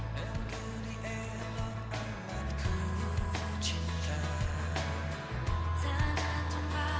dan kepala cu empat a angkatan bersenjata singapura